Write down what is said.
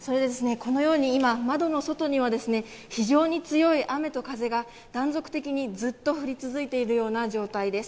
このように今、窓の外には非常に強い雨と風が断続的にずっと降り続いているような状態です。